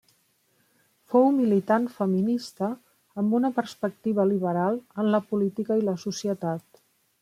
Fou militant feminista amb una perspectiva liberal en la política i la societat.